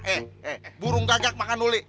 eh burung gagak makan uli